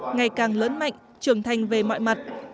ngày càng lớn mạnh trưởng thành về mọi mặt